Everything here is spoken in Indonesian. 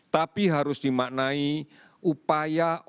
tapi harus dimaknai upaya